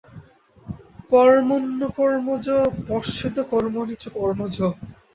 কর্মণ্যকর্ম য পশ্যেদকর্মণি চ কর্ম যঃ।